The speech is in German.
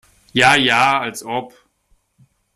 Ja ja, als ob!